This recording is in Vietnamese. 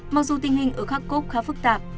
mặc dù tình hình ở kharkov khá phức tạp